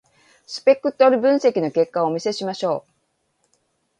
スペクトル分析の結果をお見せしましょう。